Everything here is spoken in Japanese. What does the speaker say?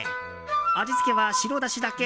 味付けは白だしだけ。